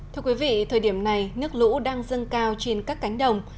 thưa quý vị thời điểm này nước lũ đang dâng cao trên các cánh đồng